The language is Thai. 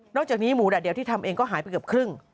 จากนี้หมูแดดเดียวที่ทำเองก็หายไปเกือบครึ่ง